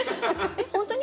本当に？